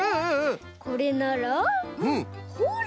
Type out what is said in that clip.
これならほら！